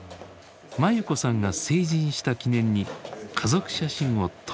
眞優子さんが成人した記念に家族写真を撮る。